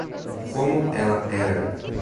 Como ela era?